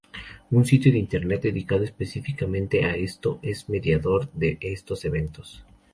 Un sitio de internet, dedicado específicamente a esto, es mediador de estos eventos.